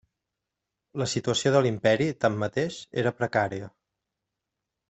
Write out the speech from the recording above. La situació de l'Imperi, tanmateix, era precària.